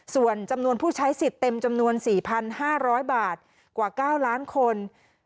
ส่วนจำนวนผู้ใช้สิทธิ์เต็มจำนวน๔๕๐๐บาทกว่า๙ล้านคน